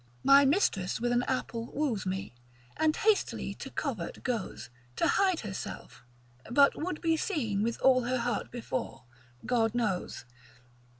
My mistress with an apple woos me, And hastily to covert goes To hide herself, but would be seen With all her heart before, God knows.